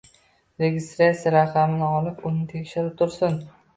Registratsiya raqami olib, uni tekshirib tursin